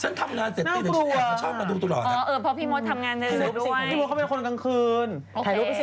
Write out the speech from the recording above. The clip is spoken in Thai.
ฉันทำราว๗ตีเดี๋ยวชอบมาดูตลอดพี่โมดเข้าไปกับคนกลางคืนถ่ายรูปสิ